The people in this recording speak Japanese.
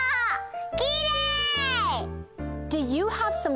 きれい！